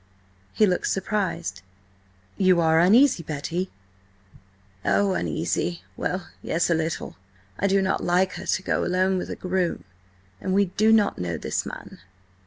He looked surprised. "You are uneasy, Betty?" "Oh–uneasy–! Well, yes–a little. I do not like her to go alone with a groom, and we do not know this man."